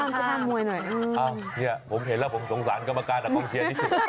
คุณอยากให้ทนชุ๊กเป้นอย่างไง